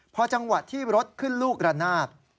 พอจังหวะที่รถขึ้นลูกระนาบ